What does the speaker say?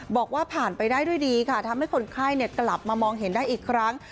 บอกว่าผ่านไปได้ด้วยดีค่ะทำให้คนไข้กลับมามองเห็นได้อีกครั้ง